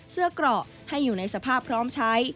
เกราะให้อยู่ในสภาพพร้อมใช้